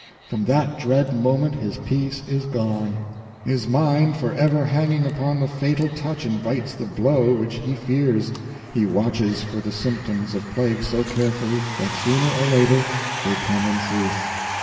From that dread moment his peace is gone; his mind for ever hanging upon the fatal touch invites the blow which he fears; he watches for the symptoms of plague so carefully, that sooner or later they come in truth.